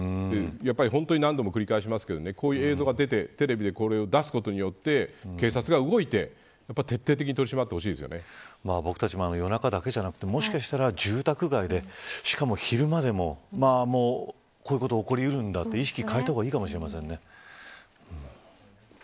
本当に何度も繰り返しますけどこういう映像が出て、テレビで声を出すことによって警察が動いて徹底的に僕たちも夜中だけじゃなくてもしかしたら住宅街でしかも昼間でもこういうことが起こりうるんだと意識を変えた方がいいかもしれませんね。